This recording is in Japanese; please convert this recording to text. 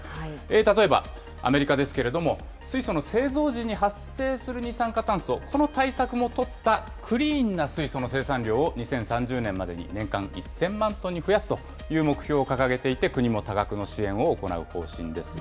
例えば、アメリカですけれども、水素の製造時に発生する二酸化炭素、この対策も取ったクリーンな水素の生産量を、２０３０年までに年間１０００万トンに増やすという目標を掲げていて、国も多額の支援を行う方針です。